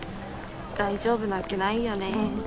大丈夫なわけないよね。